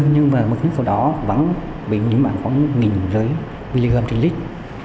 nhưng mà mực nước của đó vẫn bị nhiễm mạnh khoảng một giới gồm trình lịch